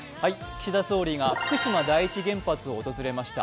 岸田総理が福島第一原発を訪れました。